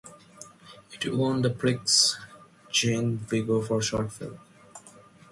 It won the Prix Jean Vigo for short film.